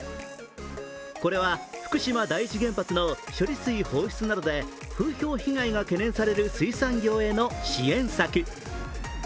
これは福島第一原発の処理水放出などで風評被害が懸念される水産業への支援策。